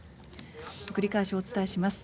繰り返しお伝えします。